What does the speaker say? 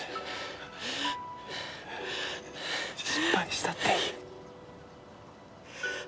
失敗したっていい。